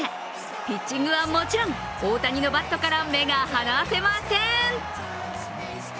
ピッチングはもちろん大谷のバットから目が離せません。